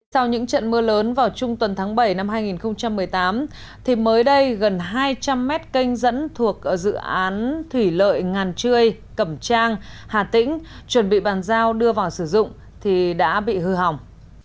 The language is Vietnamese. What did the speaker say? sau những trận mưa lớn vào trung tuần tháng bảy năm hai nghìn một mươi tám thì mới đây gần hai trăm linh mét canh dẫn thuộc dự án thủy lợi ngàn trươi cẩm trang hà tĩnh chuẩn bị bàn giao đưa vào sử dụng thì đã bị hư hỏng